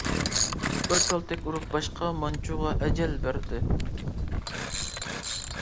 بىر كالتەك ئۇرۇپ باشقا، مانجۇغا ئەجەل بەردىم.